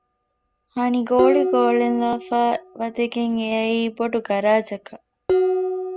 ހަނި ގޯޅި ގޯޅިން ލާފައި ވަދެގެން އެއައީ ބޮޑު ގަރާޖަކަށް